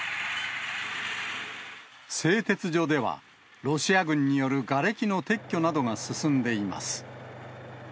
製鉄所では、ロシア軍によるがれきの撤去などが進んでいます。